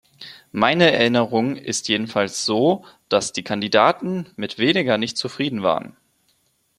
Meine Erinnerung ist jedenfalls so, dass die Kandidaten mit weniger nicht zufrieden waren.